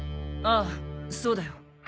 ああそうだよ。